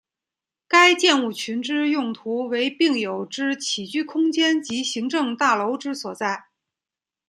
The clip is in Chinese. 该建物群之用途为病友之起居空间及行政大楼之所在。